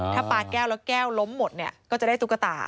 ถ้าปลาแก้วแล้วแก้วล้มหมดเนี่ยก็จะได้ตุ๊กตา